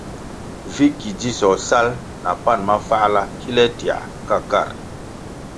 Me ki dzisoh sal na pan mafáhla kile tiãh ka kar.